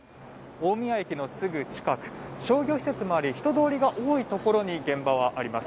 大宮駅のすぐ近く商業施設もあり人通りが多いところに現場はあります。